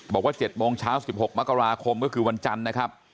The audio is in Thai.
บอกว่า๗โมงเช้า๑๖มกราคมก็คือวันจันทร์นะครับ